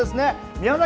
宮崎